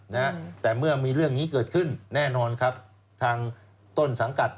นะฮะแต่เมื่อมีเรื่องนี้เกิดขึ้นแน่นอนครับทางต้นสังกัด